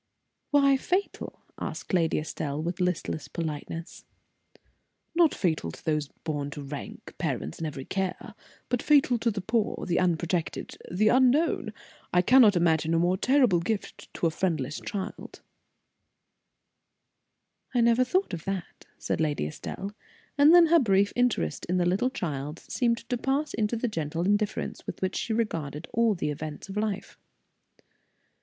"Why fatal?" asked Lady Estelle, with listless politeness. "Not fatal to those born to rank, parents, and every care, but fatal to the poor, the unprotected, the unknown. I cannot imagine a more terrible gift to a friendless girl." "I never thought of that," said Lady Estelle, and then her brief interest in the little child seemed to pass into the gentle indifference with which she regarded all the events of life.